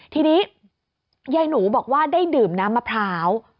ทีนี้ยายหนูบอกว่าได้ดื่มน้ำมะพร้าว